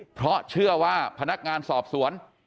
เพราะเชื่อว่าพนักงานสอบสวน